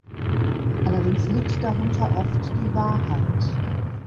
Allerdings litt darunter oft die Wahrheit.